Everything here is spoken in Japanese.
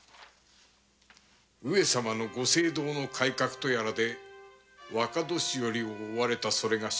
上様のご政道の改革とやらで若年寄を追われたそれがし。